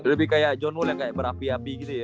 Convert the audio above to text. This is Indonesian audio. lebih kayak john wall yang berapi api gitu ya